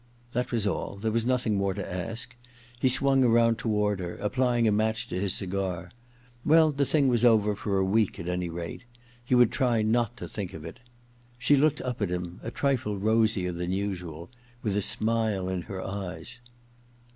* That was all. There was nothing more to ask. He swung round toward her, applying a match to his cigar. Well, the thing was over for a week, at any rate. He would try not to think of it. She looked up at him, a triiSe rosier than usual, with a smile in her eyes.